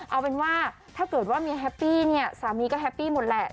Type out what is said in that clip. เอาเป็นว่าถ้าเกิดว่าเมียแฮปปี้เนี่ยสามีก็แฮปปี้หมดแหละ